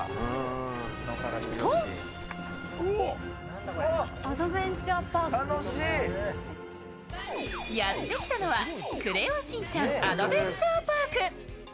とやってきたのは、くれよんしんちゃんアドベンチャーパーク。